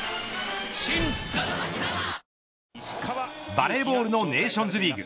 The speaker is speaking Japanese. バレーボールのネーションズリーグ